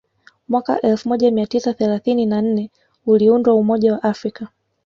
Mwaka elfu moja mia tisa thelathini na nne uliundwa umoja wa Waafrika